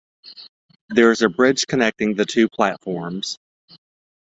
There is a bridge connecting the two platforms.